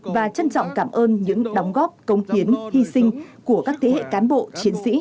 và trân trọng cảm ơn những đóng góp công hiến hy sinh của các thế hệ cán bộ chiến sĩ